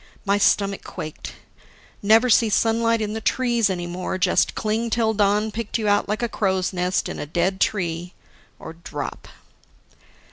My stomach quaked: Never see sunlight in the trees any more, just cling till dawn picked you out like a crow's nest in a dead tree; or drop